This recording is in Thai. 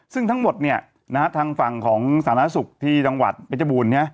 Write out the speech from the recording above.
ซึ่งทั้งหมดเนี่ยทางฝั่งของสถานศักดิ์สุขที่ดังวัดเบจบูรณ์เนี่ย